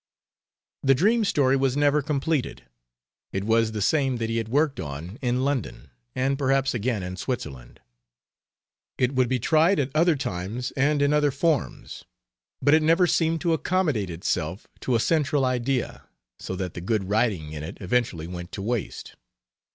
] The dream story was never completed. It was the same that he had worked on in London, and perhaps again in Switzerland. It would be tried at other times and in other forms, but it never seemed to accommodate itself to a central idea, so that the good writing in it eventually went to waste.